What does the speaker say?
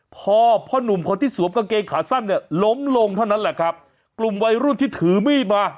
พอพ่อหนุ่มคนที่สวมกางเกงขาสั้นเนี่ยล้มลงเท่านั้นแหละครับกลุ่มวัยรุ่นที่ถือมีดมา